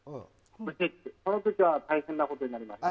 その時は大変なことになりました。